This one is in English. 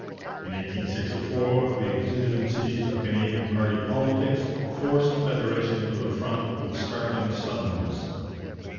In 1864 the exigencies of Canadian party politics forced federation to the front with startling suddenness.